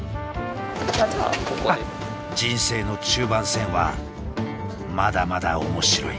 人生の中盤戦はまだまだ面白い。